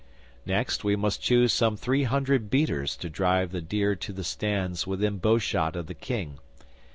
Next, we must choose some three hundred beaters to drive the deer to the stands within bowshot of the King.